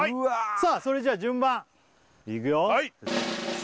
さあそれじゃあ順番いくよせ